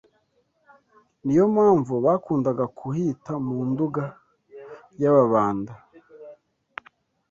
niyo mpamvu bakundaga kuhita mu Nduga y’Ababanda